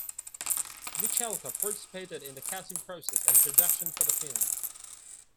Michalka participated in the casting process and production for the film.